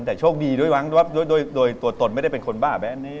แต่โชคดีด้วยหวังด้วยตัวตนไม่ได้เป็นคนบ้าแบบนี้